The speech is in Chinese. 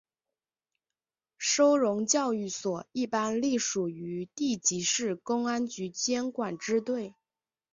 收容教育所一般隶属于地级市公安局监管支队。